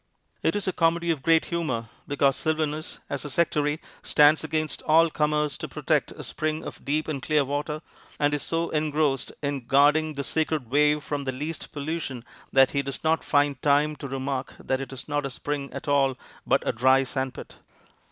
It is a comedy of great humor, because Sylvanus, as a sectary, stands against all comers to protect a spring of deep and clear water, and is so engrossed in guarding the sacred wave from the least pollution that he does not find time to remark that it is not a spring at all, but a dry sand pit.